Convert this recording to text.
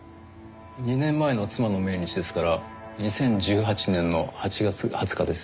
２年前の妻の命日ですから２０１８年の８月２０日です。